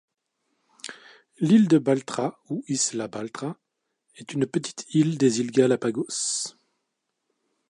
L'Île de Baltra, ou Isla Baltra, est une petite île des Îles Galápagos.